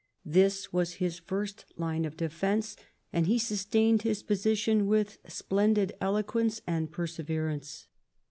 This was his first line of defence, and he sustained his position with splendid eloquence and perseverance.